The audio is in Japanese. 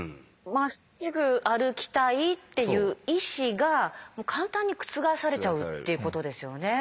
まっすぐ歩きたいっていう意志が簡単に覆されちゃうっていうことですよね。